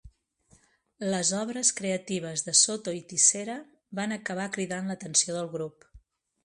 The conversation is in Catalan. Les obres creatives de Soto i Tissera van acabar cridant l'atenció del grup.